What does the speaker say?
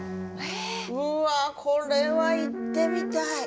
これは行ってみたい！